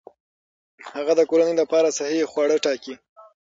هغه د کورنۍ لپاره صحي خواړه ټاکي.